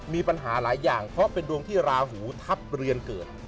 มีปัญหาหลายอย่างเพราะเป็นดวงที่ราหูทัพเรือนเกิด